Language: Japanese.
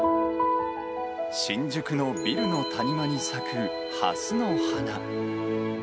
新宿のビルの谷間に咲くはすの花。